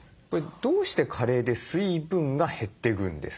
どうして加齢で水分が減っていくんですか？